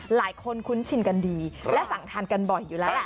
หลายคนคุ้นชินกันดีและสั่งทานกันบ่อยอยู่แล้ว